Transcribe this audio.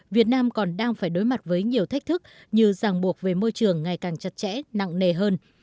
việt nam còn đang phải đối mặt với nhiều thách thức như ràng buộc về môi trường ngày càng chặt chẽ nặng nề hơn